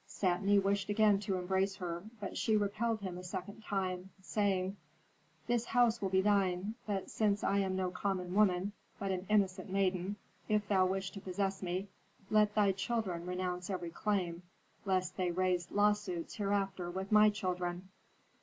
Satni wished again to embrace her, but she repelled him a second time, saying: 'This house will be thine. But, since I am no common woman, but an innocent maiden, if thou wish to possess me, let thy children renounce every claim, lest they raise lawsuits hereafter with my children.'